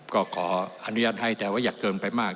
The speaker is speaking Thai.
ก็ขออนุญาตให้แต่ว่าอย่าเกินไปมาก